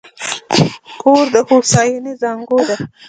کور د هوساینې زانګو ده.